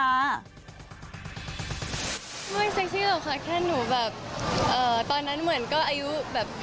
ไม่เซ็กซี่หรอกค่ะแค่หนูแบบตอนนั้นเหมือนก็อายุแบบ